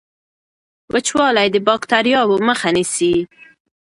وچوالی د باکټریاوو مخه نیسي.